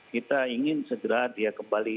kita ingin segera dia kembali